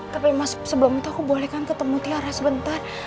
tapi mas sebelum itu aku boleh kan ketemu tiara sebentar